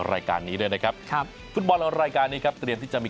รายการนี้ด้วยนะครับครับฟุตบอลรายการนี้ครับเตรียมที่จะมี